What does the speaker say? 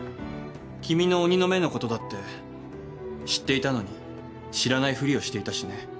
君の鬼の眼のことだって知っていたのに知らないふりをしていたしね。